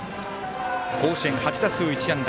甲子園８打数１安打。